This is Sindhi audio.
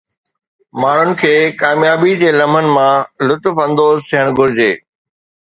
ماڻهن کي ڪاميابي جي لمحن مان لطف اندوز ٿيڻ گهرجي